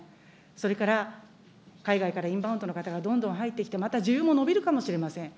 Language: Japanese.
それから海外からインバウンドの方がどんどん入ってきて、また需要も伸びるかもしれません。